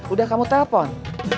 udah kamu telepon